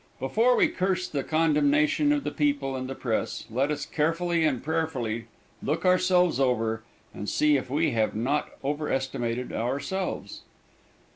Before we curse the condemnation of the people and the press, let us carefully and prayerfully look ourselves over, and see if we have not overestimated ourselves.